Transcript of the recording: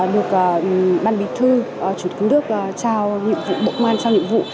được ban bí thư chủ tướng đức trao bộ công an cho nhiệm vụ